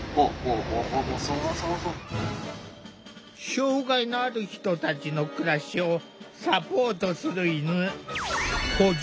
障害のある人たちの暮らしをサポートする犬「補助犬」だ。